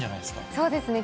そうですね。